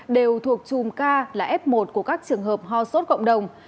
đều thuộc chùm ca là f một của các trường hợp ho sốt cộng đồng